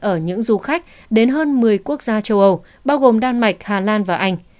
ở những du khách đến hơn một mươi quốc gia châu âu bao gồm đan mạch hà lan và anh